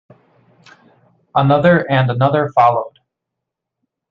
Another and another followed.